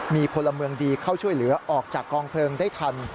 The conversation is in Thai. มีพลเมืองดีเข้าช่วยเหลือออกจากกองเพลิงได้ทัน